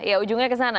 iya ujungnya kesana